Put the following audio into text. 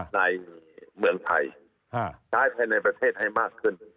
ในเมืองไทยใช้ภายในประเทศให้มากขึ้น